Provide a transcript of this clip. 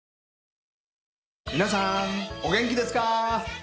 皆さんお元気ですか？